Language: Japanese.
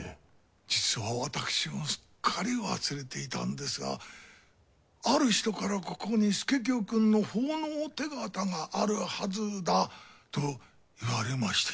実は私もすっかり忘れていたんですがある人からここに佐清くんの奉納手形があるはずだと言われまして。